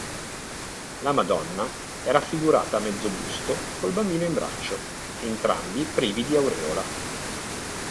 La Madonna è raffigurata a mezzobusto col Bambino in braccio, entrambi privi di aureola.